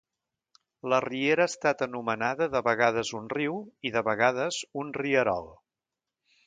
La riera ha estat anomenada de vegades un riu i, de vegades, un rierol.